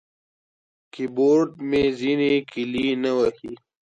کیبورډ مې ځینې کیلي نه وهي.